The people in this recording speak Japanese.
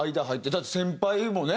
だって先輩もね